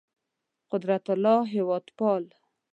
قدرت الله هېوادپال